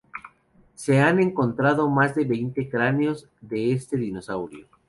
Se han encontrado más de veinte cráneos de este dinosaurio.